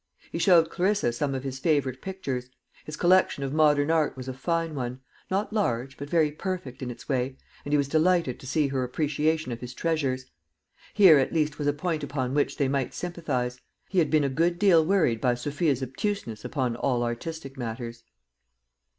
He showed Clarissa some of his favourite pictures. His collection of modern art was a fine one not large, but very perfect in its way, and he was delighted to see her appreciation of his treasures. Here at least was a point upon which they might sympathise. He had been a good deal worried by Sophia's obtuseness upon all artistic matters.